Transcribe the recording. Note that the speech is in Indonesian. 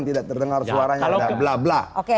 tidak terdengar suaranya blablabla